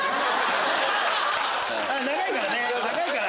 あっ長いからね長いから。